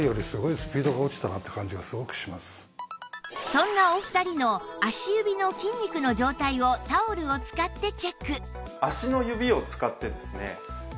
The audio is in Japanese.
そんなお二人の足指の筋肉の状態をタオルを使ってチェック